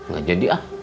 gak jadi ah